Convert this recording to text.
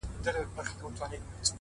چي له تا مخ واړوي تا وویني.